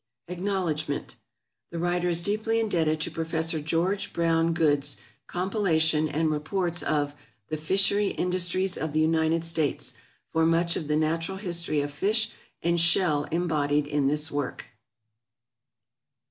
ACKNOWLEDGMENT. The writer is deeply indebted to Prof. George Brown Goode's compilation and reports of the "Fishery Industries of the United States," for much of the natural history of fish and shell embodied in this work.